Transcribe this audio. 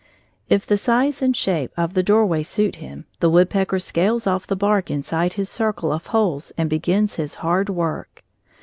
If the size and shape of the doorway suit him, the woodpecker scales off the bark inside his circle of holes and begins his hard work.